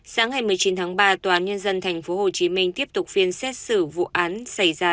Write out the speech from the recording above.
sáng ngày một mươi chín tháng ba tòa án nhân dân tp hcm tiếp tục phiên xét xử vụ án xảy ra